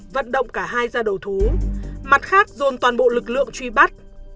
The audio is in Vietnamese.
vận động cả hai ra đầu thú mặt khác dồn toàn bộ lực lượng truy bắt